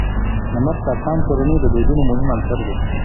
نمک د افغان کورنیو د دودونو مهم عنصر دی.